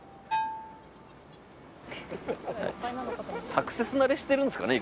サクセス慣れしてるんですかね。